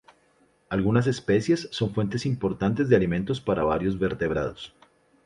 Algunas especies son fuentes importantes de alimentos para varios vertebrados.